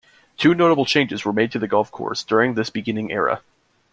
Two notable changes were made to the golf course during this beginning era.